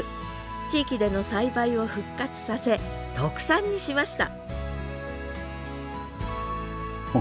地域での栽培を復活させ特産にしました